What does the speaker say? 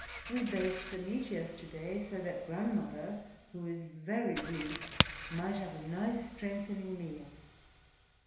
"We baked the meat yesterday, so that grandmother, who is very weak, might have a nice strengthening meal."